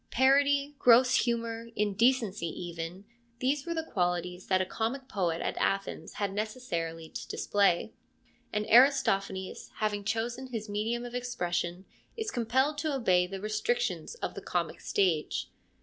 Parody, gross humour, indecency even, these were the qualities that a comic poet at Athens had neces sarily to display, and Aristophanes, having chosen his medium of expression, is compelled to obey the restrictions of the comic stage.